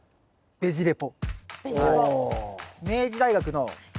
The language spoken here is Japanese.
「ベジ・レポ」。